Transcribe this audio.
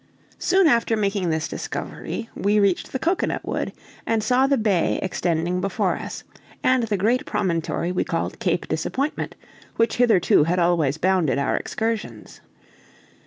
Soon after making this discovery, we reached the cocoanut wood, and saw the bay extending before us, and the great promontory we called Cape Disappointment, which hitherto had always bounded our excursions.